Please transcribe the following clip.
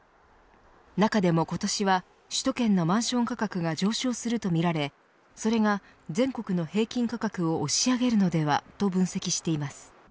中でも今年は首都圏のマンション価格が上昇するとみられそれが全国の平均価格を押し上げるのではと分析しています。